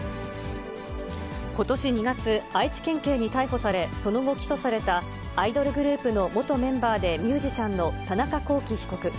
ことし２月、愛知県警に逮捕され、その後、起訴されたアイドルグループの元メンバーでミュージシャンの田中聖被告。